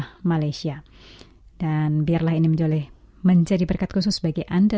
hanya dalam damai tuhan ku terima